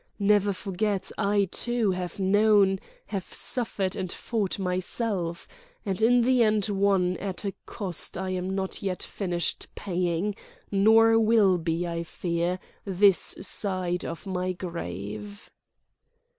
Never forget, I, too, have known, have suffered and fought myself—and in the end won at a cost I am not yet finished paying, nor will be, I fear, this side my grave."